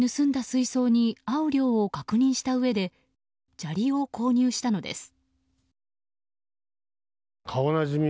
水槽に合う量を確認したうえで砂利を購入したのです。